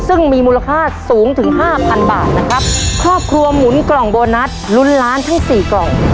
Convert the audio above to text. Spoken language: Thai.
ซึ่งมีมูลค่าสูงถึงห้าพันบาทนะครับครอบครัวหมุนกล่องโบนัสลุ้นล้านทั้งสี่กล่อง